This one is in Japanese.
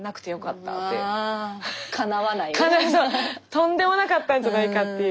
とんでもなかったんじゃないかっていう。